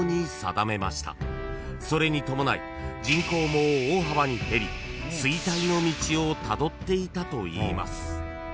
［それに伴い人口も大幅に減り衰退の道をたどっていたといいます］